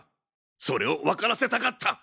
それを分からせたかった！